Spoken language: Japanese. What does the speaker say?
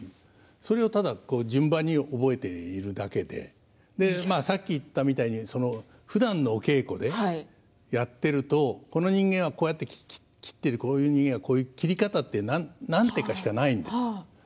それを順番に覚えているだけでさっき言ったみたいにふだんのお稽古でやっているとこの人間はこうやって切っているこの人間はこういう切る何点かしかないんです。